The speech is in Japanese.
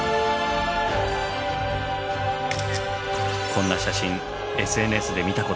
こんな写真ＳＮＳで見たことありませんか？